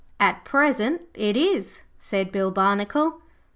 'At present it is,' said Bill Barnacle.